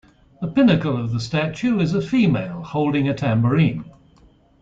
The pinnacle of the statue is a female holding a tambourine.